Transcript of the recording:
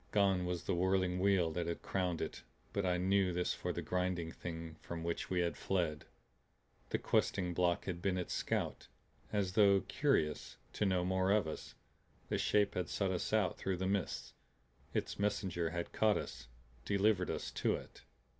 Gone was the whirling wheel that had crowned it, but I knew this for the Grinding Thing from which we had fled; the questing block had been its scout. As though curious to know more of us, the Shape had sought us out through the mists, its messenger had caught us, delivered us to it.